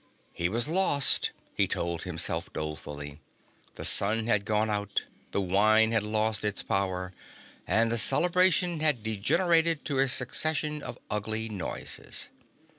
He was lost, he told himself dolefully. The sun had gone out, the wine had lost its power and the celebration had degenerated to a succession of ugly noises.